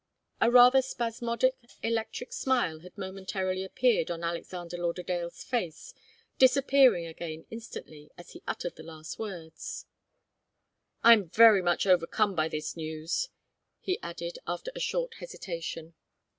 A rather spasmodic, electric smile had momentarily appeared on Alexander Lauderdale's face, disappearing again instantly, as he uttered the last words. "I'm very much overcome by this news," he added, after a short hesitation.